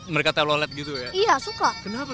mereka telolet gitu ya iya suka kenapa